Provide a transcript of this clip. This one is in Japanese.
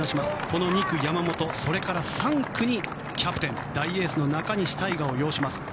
この２区、山本それから３区にキャプテン大エースの中西大翔を擁します。